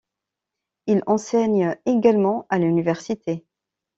Il enseigne également à l’université.